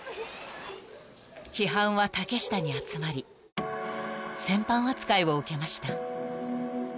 ［批判は竹下に集まり戦犯扱いを受けました］